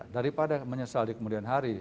daripada menyesal di kemudian hari